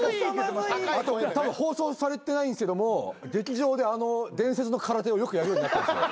たぶん放送されてないんですけども劇場であの伝説の空手をよくやるようになったんですよ。